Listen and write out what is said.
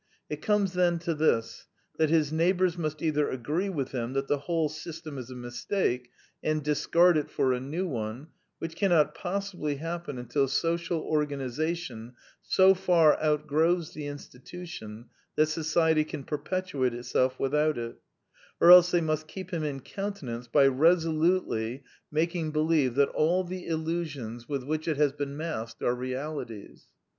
It comes then to this, that his neighbors must either agree with him that the whole system is a mistake, and discard it for a new one, which cannot possibly happen until social organization so far outgrows the institution that Society can perpetuate itself without it; or else they must keep him in countenance by resolutely making be 24 The Quintessence of Ibsenism lieve that all the illusions with which it has been masked are realities.